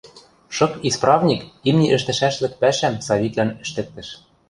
Шык исправник имни ӹштӹшӓшлык пӓшӓм Савиклӓн ӹштӹктӹш.